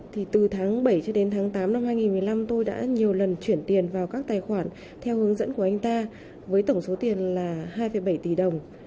thì từ tháng bảy cho đến tháng tám năm hai nghìn một mươi năm tôi đã nhiều lần chuyển tiền vào các tài khoản theo hướng dẫn của anh ta với tổng số tiền là hai bảy tỷ đồng